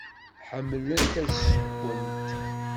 Ḥemmlent ad ssewwent?